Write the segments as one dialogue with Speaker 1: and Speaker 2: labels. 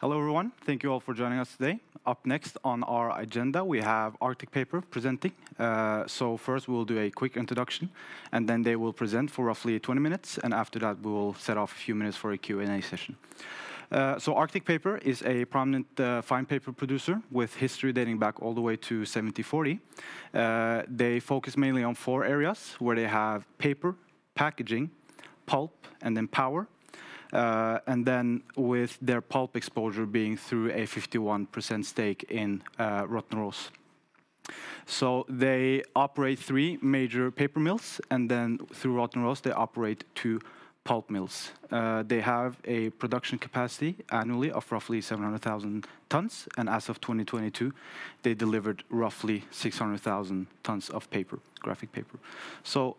Speaker 1: Hello, everyone. Thank you all for joining us today. Up next on our agenda, we have Arctic Paper presenting. So first, we'll do a quick introduction, and then they will present for roughly 20 minutes, and after that, we will set off a few minutes for a Q&A session. So Arctic Paper is a prominent fine paper producer with history dating back all the way to 1740. They focus mainly on four areas where they have paper, packaging, pulp, and then power. And then with their pulp exposure being through a 51% stake in Rottneros. So they operate three major paper mills, and then through Rottneros, they operate two pulp mills. They have a production capacity annually of roughly 700,000 tons, and as of 2022, they delivered roughly 600,000 tons of paper, graphic paper.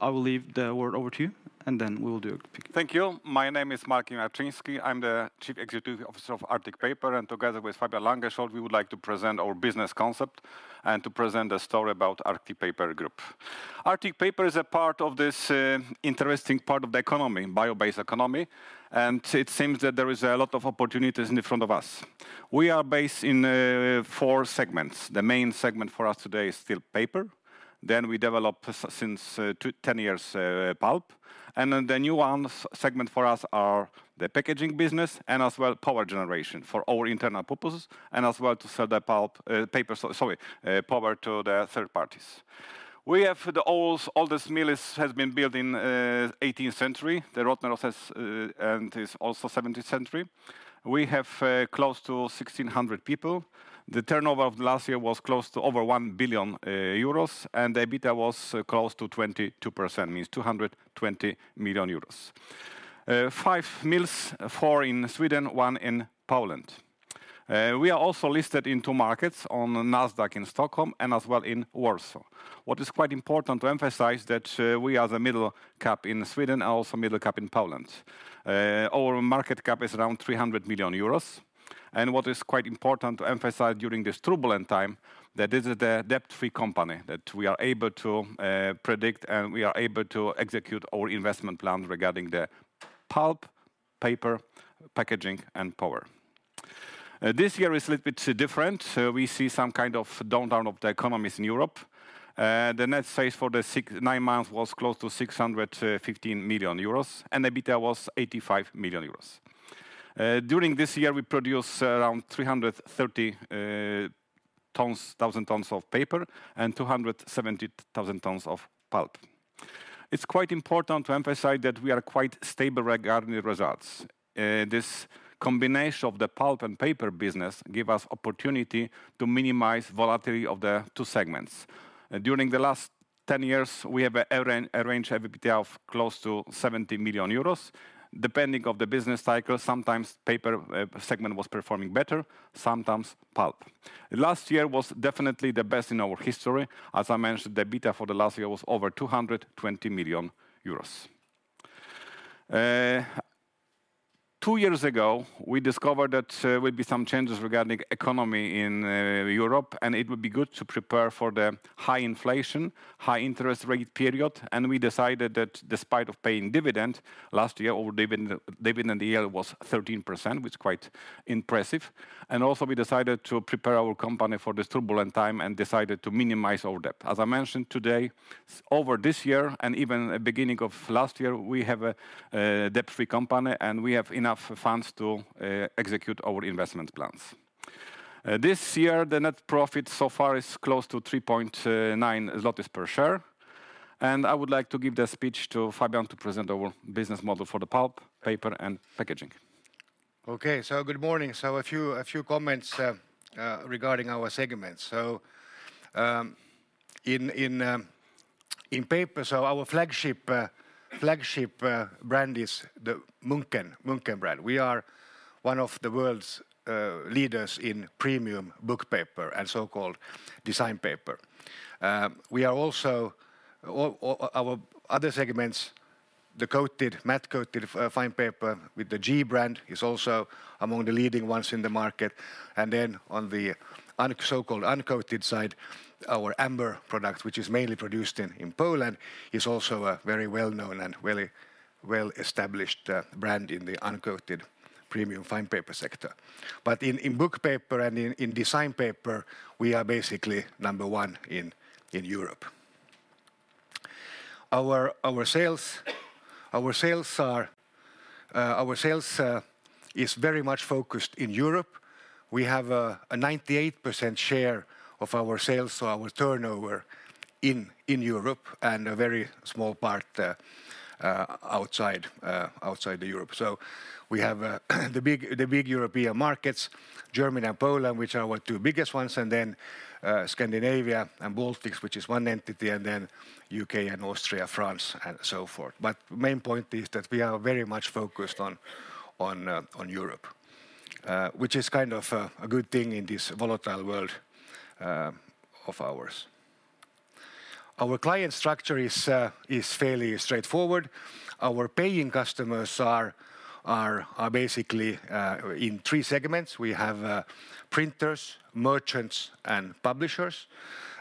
Speaker 1: I will leave the word over to you, and then we will do a quick.
Speaker 2: Thank you. My name is Michał Jarczyński. I'm the Chief Executive Officer of Arctic Paper, and together with Fabian Langenskiöld, we would like to present our business concept and to present a story about Arctic Paper Group. Arctic Paper is a part of this interesting part of the economy, bio-based economy, and it seems that there is a lot of opportunities in front of us. We are based in four segments. The main segment for us today is still paper. Then we developed since 10 years pulp, and then the new one segment for us are the packaging business and as well, power generation for our internal purposes, and as well to sell the pulp, paper, sorry, power to the third parties. We have the oldest mill is, has been built in eighteenth century. The Rottneros has and is also seventeenth century. We have close to 1,600 people. The turnover of last year was close to over 1 billion euros, and the EBITDA was close to 22%, means 220 million euros. Five mills, four in Sweden, one in Poland. We are also listed in two markets, on Nasdaq in Stockholm and as well in Warsaw. What is quite important to emphasize that we are the mid-cap in Sweden and also mid-cap in Poland. Our market cap is around 300 million euros, and what is quite important to emphasize during this turbulent time, that this is a debt-free company, that we are able to predict, and we are able to execute our investment plan regarding the pulp, paper, packaging, and power. This year is a little bit different, we see some kind of downturn of the economies in Europe. The net sales for the nine months was close to 615 million euros, and EBITDA was 85 million euros. During this year, we produce around 330,000 tons of paper and 270,000 tons of pulp. It's quite important to emphasize that we are quite stable regarding the results. This combination of the pulp and paper business give us opportunity to minimize volatility of the two segments. During the last 10 years, we have an average EBITDA of close to 70 million euros. Depending on the business cycle, sometimes paper segment was performing better, sometimes pulp. Last year was definitely the best in our history. As I mentioned, the EBITDA for the last year was over 220 million euros. Two years ago, we discovered that there would be some changes regarding economy in Europe, and it would be good to prepare for the high inflation, high interest rate period, and we decided that despite of paying dividend, last year, our dividend, dividend yield was 13%, which is quite impressive. Also, we decided to prepare our company for this turbulent time and decided to minimize our debt. As I mentioned today, over this year and even at beginning of last year, we have a debt-free company, and we have enough funds to execute our investment plans. This year, the net profit so far is close to 3.9 zlotys per share, and I would like to give the speech to Fabian to present our business model for the pulp, paper, and packaging.
Speaker 3: Okay, so good morning. A few comments regarding our segments. In paper, our flagship brand is the Munken brand. We are one of the world's leaders in premium book paper and so-called design paper. We are also all our other segments, the coated, matte coated fine paper with the G-Print brand, is also among the leading ones in the market. And then on the so-called uncoated side, our Amber product, which is mainly produced in Poland, is also a very well-known and very well-established brand in the uncoated premium fine paper sector. But in book paper and in design paper, we are basically number one in Europe. Our sales are very much focused in Europe. We have a 98% share of our sales, so our turnover in Europe, and a very small part outside of Europe. So we have the big European markets, Germany and Poland, which are our two biggest ones, and then Scandinavia and Baltics, which is one entity, and then U.K. and Austria, France, and so forth. But the main point is that we are very much focused on Europe, which is kind of a good thing in this volatile world of ours. Our client structure is fairly straightforward. Our paying customers are basically in three segments. We have printers, merchants, and publishers.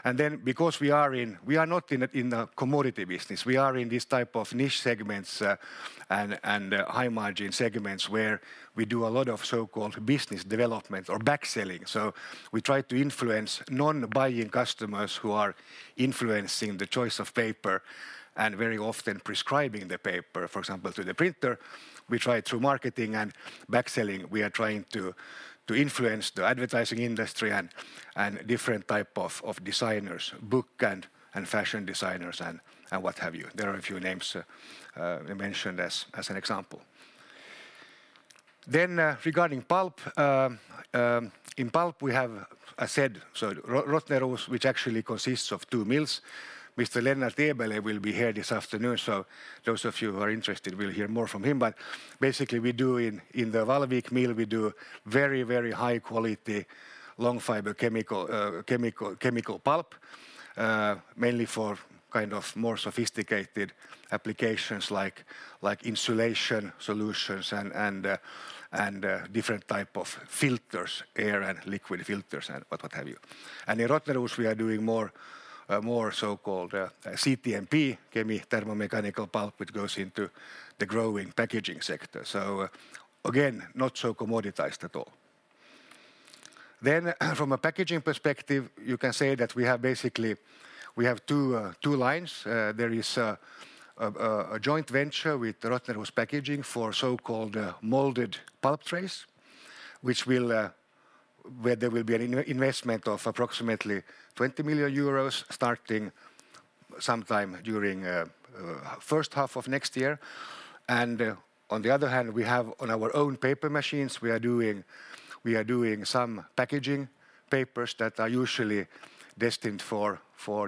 Speaker 3: And then because we are not in a commodity business, we are in this type of niche segments, high-margin segments where we do a lot of so-called business development or back selling. So we try to influence non-buying customers who are influencing the choice of paper, and very often prescribing the paper, for example, to the printer. We try through marketing and back selling; we are trying to influence the advertising industry and different type of designers, book and fashion designers, and what have you. There are a few names I mentioned as an example. Then, regarding pulp, in pulp, we have, I said, so Rottneros, which actually consists of two mills. Mr. Lennart Eberleh will be here this afternoon, so those of you who are interested will hear more from him. But basically, we do in the Vallvik Mill very, very high quality, long fiber chemical pulp, mainly for kind of more sophisticated applications like insulation solutions and different type of filters, air and liquid filters, and what have you. And in Rottneros, we are doing more so-called CTMP, chemi-thermomechanical pulp, which goes into the growing packaging sector. So again, not so commoditized at all. Then, from a packaging perspective, you can say that we have basically two lines. There is a joint venture with Rottneros Packaging for so-called molded pulp trays, where there will be an investment of approximately 20 million euros, starting sometime during the first half of next year. On the other hand, we have on our own paper machines. We are doing some packaging papers that are usually destined for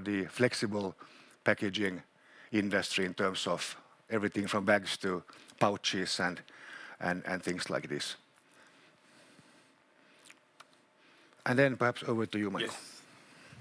Speaker 3: the flexible packaging industry in terms of everything from bags to pouches and things like this. And then perhaps over to you, Michael.
Speaker 2: Yes.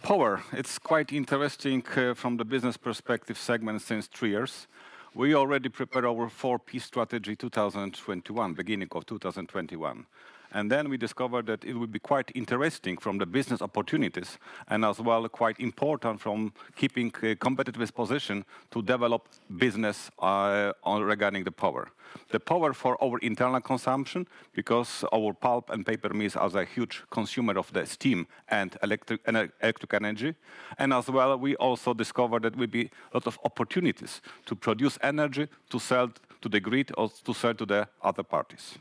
Speaker 2: Power, it's quite interesting from the business perspective segment since three years. We already prepared our 4P strategy 2021, beginning of 2021, and then we discovered that it would be quite interesting from the business opportunities, and as well, quite important from keeping a competitive position to develop business on regarding the power. The power for our internal consumption, because our pulp and paper mills is a huge consumer of the steam and electric energy, and as well, we also discovered that would be a lot of opportunities to produce energy, to sell to the grid, or to sell to the other parties.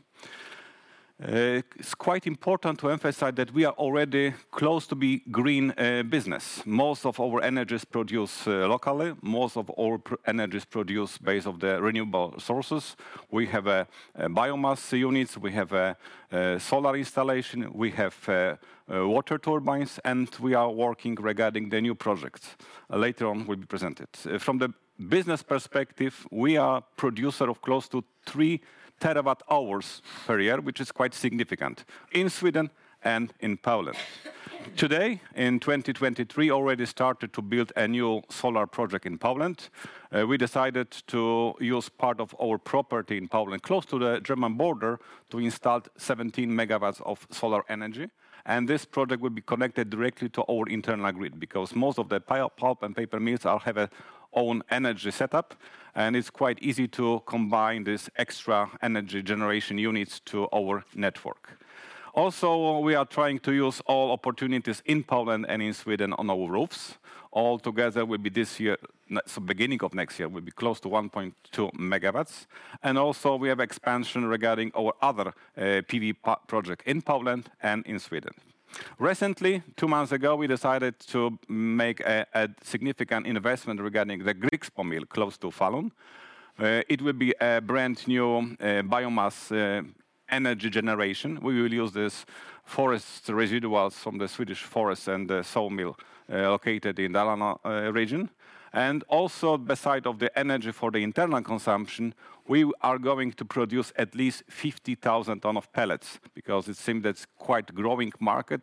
Speaker 2: It's quite important to emphasize that we are already close to be green business. Most of our energy is produced locally. Most of our energy is produced based of the renewable sources. We have biomass units, we have a solar installation, we have water turbines, and we are working regarding the new projects. Later on, will be presented. From the business perspective, we are producer of close to 3 TWh per year, which is quite significant in Sweden and in Poland. Today, in 2023, already started to build a new solar project in Poland. We decided to use part of our property in Poland, close to the German border, to install 17 MW of solar energy, and this project will be connected directly to our internal grid, because most of the pulp and paper mills are have a own energy setup, and it's quite easy to combine this extra energy generation units to our network. Also, we are trying to use all opportunities in Poland and in Sweden on our roofs. Altogether, will be this year, beginning of next year, will be close to 1.2 MW, and also we have expansion regarding our other PV project in Poland and in Sweden. Recently, two months ago, we decided to make a significant investment regarding the Grycksbo Mill, close to Falun, where it will be a brand-new biomass energy generation. We will use this forest residuals from the Swedish forest and the sawmill located in Dalarna region. And also, besides the energy for the internal consumption, we are going to produce at least 50,000 tons of pellets, because it seems that's quite growing market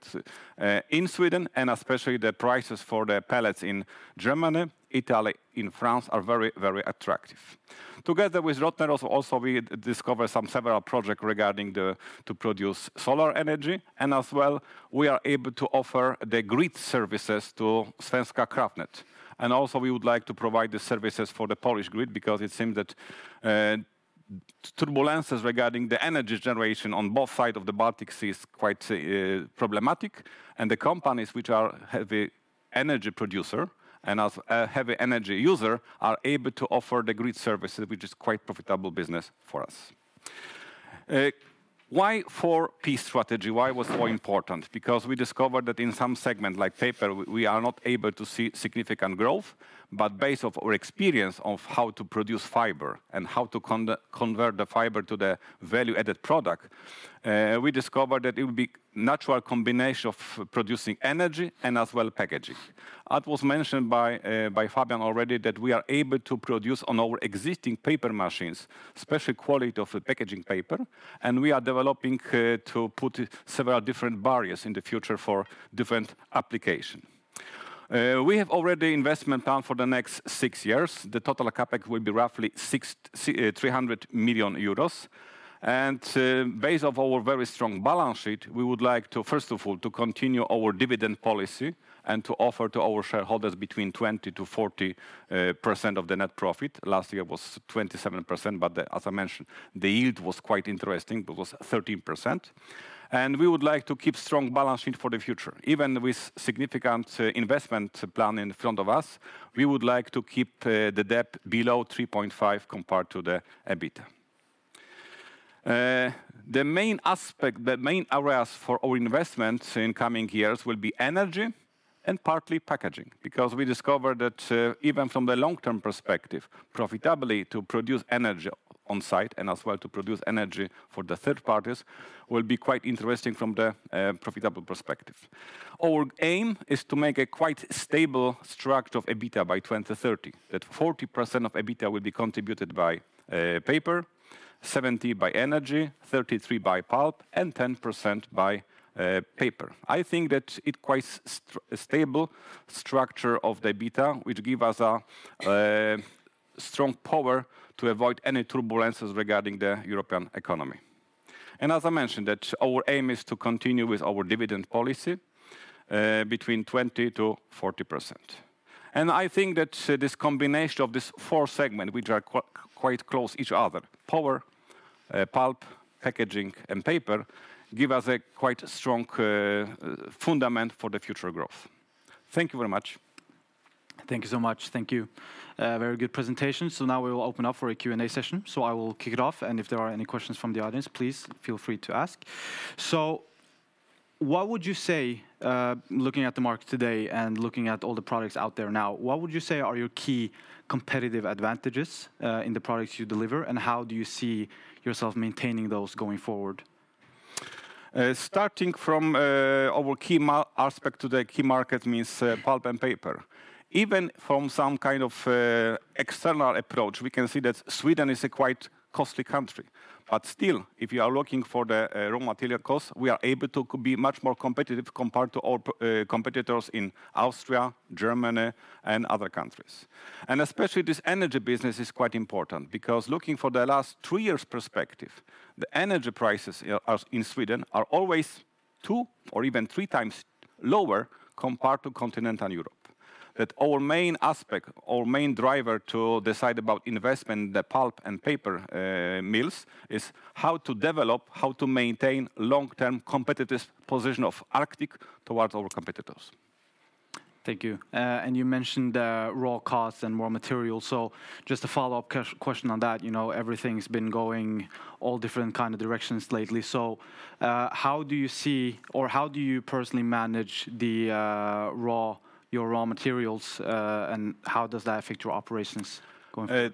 Speaker 2: in Sweden, and especially the prices for the pellets in Germany, Italy, in France, are very, very attractive. Together with Rottneros also, we discover some several project regarding to produce solar energy, and as well, we are able to offer the grid services to Svenska kraftnät. Also, we would like to provide the services for the Polish grid, because it seems that turbulences regarding the energy generation on both sides of the Baltic Sea is quite problematic, and the companies which are heavy energy producer and as a heavy energy user, are able to offer the grid services, which is quite profitable business for us. Why 4P strategy? Why was so important? Because we discovered that in some segment, like paper, we are not able to see significant growth, but based on our experience of how to produce fiber and how to convert the fiber to the value-added product, we discovered that it would be natural combination of producing energy and as well packaging. That was mentioned by Fabian already, that we are able to produce on our existing paper machines special quality of the packaging paper, and we are developing to put several different barriers in the future for different application. We have already investment plan for the next six years. The total CapEx will be roughly 600 million euros. Based off our very strong balance sheet, we would like to, first of all, to continue our dividend policy and to offer to our shareholders between 20%-40% of the net profit. Last year was 27%, but the, as I mentioned, the yield was quite interesting. It was 13%. We would like to keep strong balance sheet for the future. Even with significant investment plan in front of us, we would like to keep the debt below 3.5 compared to the EBITDA. The main aspect, the main areas for our investments in coming years will be energy and partly packaging, because we discovered that even from the long-term perspective, profitably to produce energy on-site and as well to produce energy for the third parties will be quite interesting from the profitable perspective. Our aim is to make a quite stable structure of EBITDA by 2030. That 40% of EBITDA will be contributed by paper, 70% by energy, 33% by pulp, and 10% by paper. I think that it quite stable structure of the EBITDA, which give us a strong power to avoid any turbulences regarding the European economy. And as I mentioned, that our aim is to continue with our dividend policy between 20%-40%. And I think that this combination of these four segments, which are quite close each other, power, pulp, packaging, and paper, give us a quite strong foundation for the future growth. Thank you very much.
Speaker 1: Thank you so much. Thank you. Very good presentation. So now we will open up for a Q&A session. So I will kick it off, and if there are any questions from the audience, please feel free to ask. So what would you say, looking at the market today and looking at all the products out there now, what would you say are your key competitive advantages, in the products you deliver, and how do you see yourself maintaining those going forward?
Speaker 2: Starting from our key aspect to the key market means, pulp and paper. Even from some kind of external approach, we can see that Sweden is a quite costly country. But still, if you are looking for the raw material cost, we are able to be much more competitive compared to our competitors in Austria, Germany, and other countries. And especially this energy business is quite important because looking for the last three years perspective, the energy prices in Sweden are always two or even three times lower compared to continental Europe. That our main aspect, our main driver to decide about investment in the pulp and paper mills, is how to develop, how to maintain long-term competitive position of Arctic towards our competitors.
Speaker 1: Thank you. And you mentioned raw costs and raw materials, so just a follow-up question on that. You know, everything's been going all different kind of directions lately, so how do you see or how do you personally manage the raw, your raw materials, and how does that affect your operations going forward?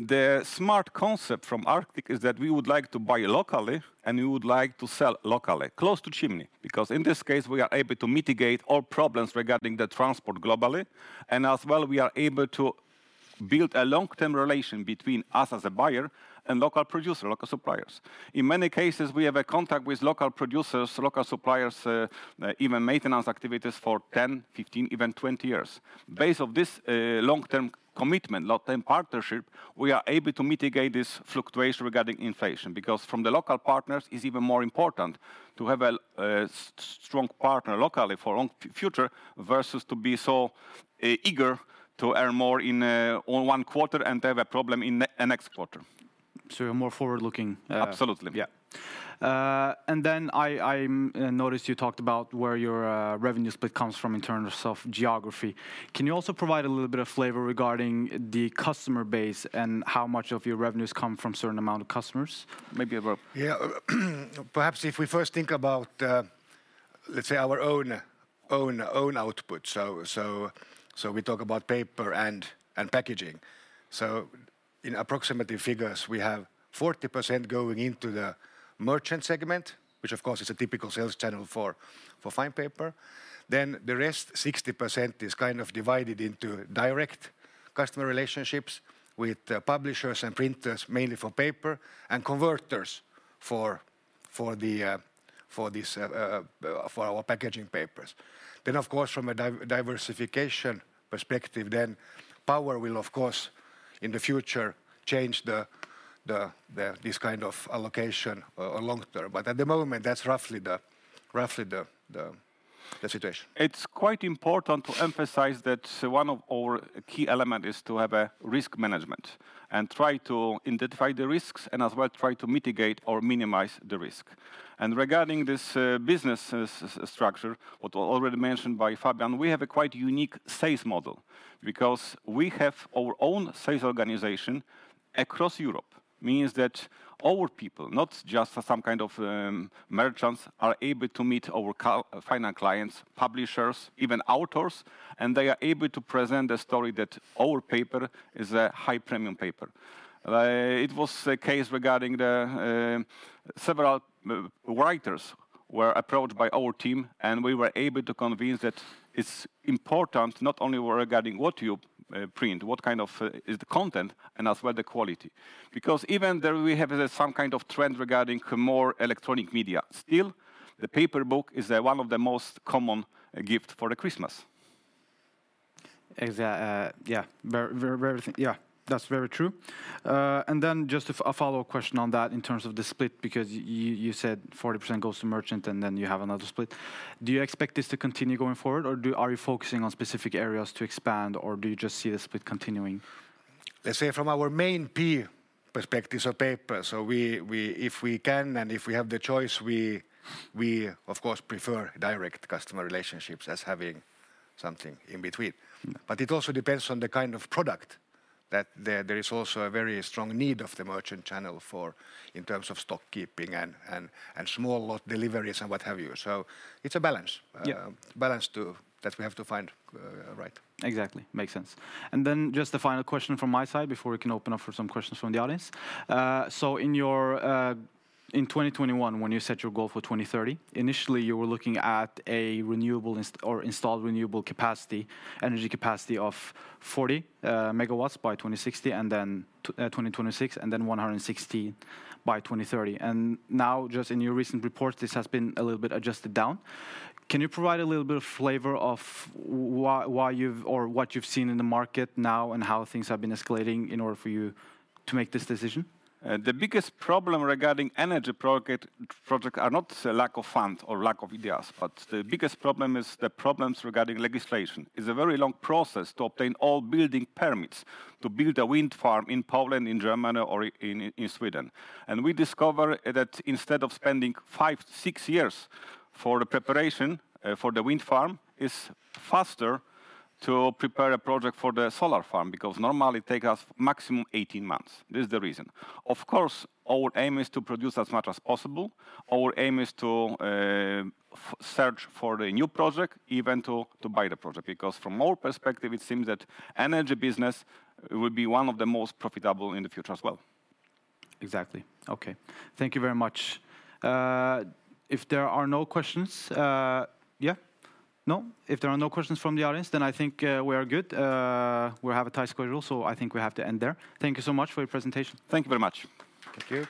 Speaker 2: The smart concept from Arctic is that we would like to buy locally, and we would like to sell locally, close to chimney, because in this case, we are able to mitigate all problems regarding the transport globally, and as well, we are able to build a long-term relation between us as a buyer and local producer, local suppliers. In many cases, we have a contact with local producers, local suppliers, even maintenance activities for 10, 15, even 20 years. Based off this, long-term commitment, long-term partnership, we are able to mitigate this fluctuation regarding inflation, because from the local partners, it's even more important to have a strong partner locally for long future, versus to be so eager to earn more in on one quarter and have a problem in the next quarter.
Speaker 1: So you're more forward-looking,
Speaker 2: Absolutely.
Speaker 1: Yeah. And then I noticed you talked about where your revenue split comes from in terms of geography. Can you also provide a little bit of flavor regarding the customer base and how much of your revenues come from certain amount of customers? Maybe about-
Speaker 3: Yeah. Perhaps if we first think about, let's say, our own output, so we talk about paper and packaging. So in approximate figures, we have 40% going into the merchant segment, which of course, is a typical sales channel for fine paper. Then the rest, 60%, is kind of divided into direct customer relationships with publishers and printers, mainly for paper, and converters for our packaging papers. Then, of course, from a diversification perspective, power will, of course, in the future, change this kind of allocation long term. But at the moment, that's roughly the situation.
Speaker 2: It's quite important to emphasize that one of our key element is to have a risk management and try to identify the risks, and as well, try to mitigate or minimize the risk. Regarding this business structure, what already mentioned by Fabian, we have a quite unique sales model, because we have our own sales organization across Europe. Means that our people, not just some kind of merchants, are able to meet our final clients, publishers, even authors, and they are able to present the story that our paper is a high-premium paper. It was a case regarding the several writers were approached by our team, and we were able to convince that it's important not only regarding what you print, what kind of is the content, and as well, the quality. Because even though we have some kind of trend regarding more electronic media, still, the paper book is one of the most common gift for the Christmas.
Speaker 1: Exact, yeah, very true. Yeah, that's very true. And then just a follow-up question on that in terms of the split, because you said 40% goes to merchant, and then you have another split. Do you expect this to continue going forward, or are you focusing on specific areas to expand, or do you just see the split continuing?
Speaker 3: Let's say from our main pure perspective, so paper, so if we can, and if we have the choice, we of course prefer direct customer relationships as having something in between. But it also depends on the kind of product that there is also a very strong need of the merchant channel for in terms of stock keeping and small lot deliveries and what have you. So it's a balance-
Speaker 1: Yeah...
Speaker 3: balance to, that we have to find, right.
Speaker 1: Exactly. Makes sense. And then just the final question from my side before we can open up for some questions from the audience. So, in 2021, when you set your goal for 2030, initially, you were looking at an installed renewable capacity, energy capacity of 40 MW by 2026, and then 160 by 2030. And now, just in your recent report, this has been a little bit adjusted down. Can you provide a little bit of flavor of why you've or what you've seen in the market now and how things have been escalating in order for you to make this decision?
Speaker 2: The biggest problem regarding energy project are not the lack of funds or lack of ideas, but the biggest problem is the problems regarding legislation. It's a very long process to obtain all building permits to build a wind farm in Poland, in Germany, or in Sweden. We discover that instead of spending five to six years for the preparation for the wind farm, it's faster to prepare a project for the solar farm, because normally it take us maximum 18 months. This is the reason. Of course, our aim is to produce as much as possible. Our aim is to search for the new project, even to buy the project, because from our perspective, it seems that energy business will be one of the most profitable in the future as well.
Speaker 1: Exactly. Okay. Thank you very much. If there are no questions... Yeah? No? If there are no questions from the audience, then I think we are good. We have a tight schedule, so I think we have to end there. Thank you so much for your presentation.
Speaker 2: Thank you very much.
Speaker 3: Thank you.